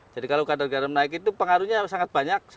kalau kadar garam naik itu pengaruhnya sangat banyak